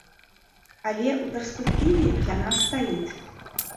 Але ў перспектыве яна стаіць.